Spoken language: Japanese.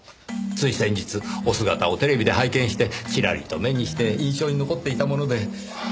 つい先日お姿をテレビで拝見してチラリと目にして印象に残っていたもので。